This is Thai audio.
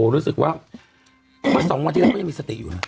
รู้สึกว่า๒วันที่แล้วเขายังมีสติอยู่นะ